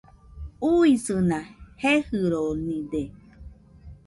Uisɨna jejɨronide